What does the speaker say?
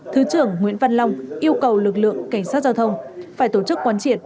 thứ trưởng nguyễn văn long yêu cầu lực lượng cảnh sát giao thông phải tổ chức quán triệt